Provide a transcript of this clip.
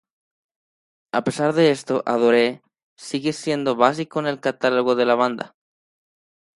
A pesar de esto, "Adore" sigue siendo básico en el catálogo de la banda.